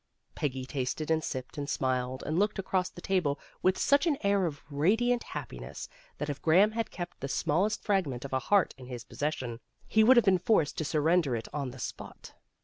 Peggy tasted and sipped and smiled, and looked across the table with such an air of radiant happiness that if Graham had kept the smallest fragment of a heart in his pos session, he would have been forced to surrender it on the spot.